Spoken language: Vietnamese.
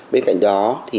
bên cạnh đó